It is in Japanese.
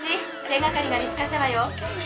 手がかりが見つかったわよ。